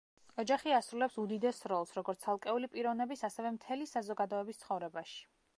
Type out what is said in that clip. ოჯახი ასრულებს უდიდეს როლს, როგორც ცალკეული პიროვნების, ასევე მთელი საზოგადოების ცხოვრებაში.